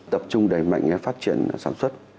tập trung đẩy mạnh phát triển sản xuất